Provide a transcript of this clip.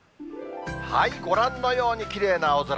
ご覧のように、きれいな青空。